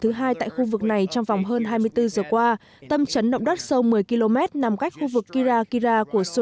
thứ hai tại khu vực này trong vòng hơn hai mươi bốn giờ qua tâm trấn động đất sâu một mươi km nằm cách khu vực kira kira